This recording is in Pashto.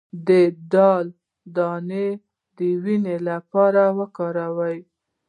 د دال دانه د وینې لپاره وکاروئ